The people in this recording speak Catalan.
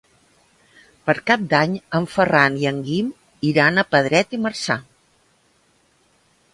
Per Cap d'Any en Ferran i en Guim iran a Pedret i Marzà.